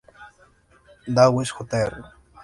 Dawes Jr.